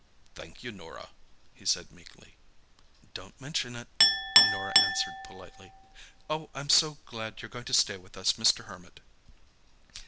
"Thank you, Norah," he said meekly. "Don't mention it," Norah answered politely. "Oh, I'm so glad you're going to stay with us, Mr. Hermit!"